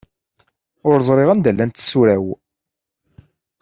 Ur ẓriɣ anda llant tsura-w.